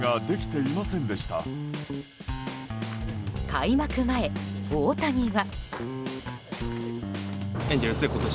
開幕前、大谷は。